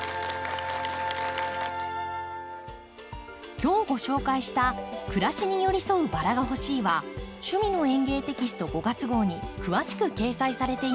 今日ご紹介した「暮らしに寄り添うバラがほしい」は「趣味の園芸」テキスト５月号に詳しく掲載されています。